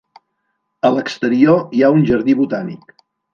A l'exterior hi ha un jardí botànic.